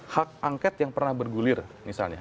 hak angket yang pernah bergulir misalnya